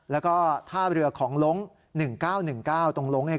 แล้วก็ท่าเรือของล้ง๑๙๑๙ตรงล้งเนี่ย